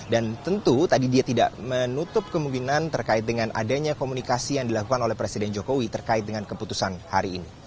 dan tentu tadi dia tidak menutup kemungkinan terkait dengan adanya komunikasi yang dilakukan oleh presiden jokowi terkait dengan keputusan hari ini